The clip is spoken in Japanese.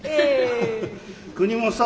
国もさ